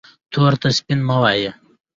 تور ته سپین مه وایه